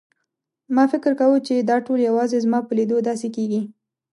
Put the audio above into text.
ما فکر کاوه چې دا ټول یوازې زما په لیدو داسې کېږي.